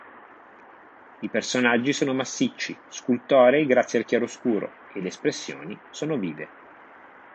I personaggi sono massicci, scultorei grazie al chiaroscuro, e le espressioni sono vive.